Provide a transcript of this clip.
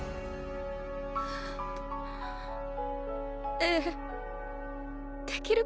ええできるかしら。